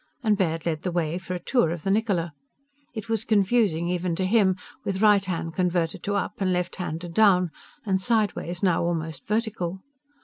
And Baird led the way for a tour of the Niccola. It was confusing even to him, with right hand converted to up and left hand to down, and sidewise now almost vertical.